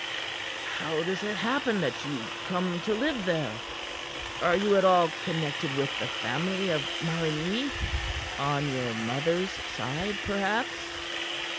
"How does it happen that you come to live there? Are you at all connected with the family of Maligny? On your mother's side, perhaps?"